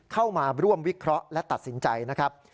เข้ามาร่วมวิเคราะห์และตัดสินใจนะครับ